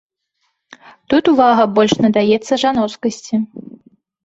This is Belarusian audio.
Тут увага больш надаецца жаноцкасці.